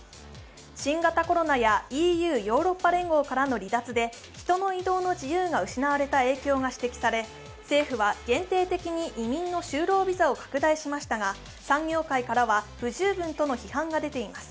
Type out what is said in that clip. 新型コロナやＥＵ＝ヨーロッパ連合からの離脱で人の移動の自由が失われた影響が指摘され、政府は限定的に移民の就労ビザを拡大しましたが産業界からは不十分との批判が出ています。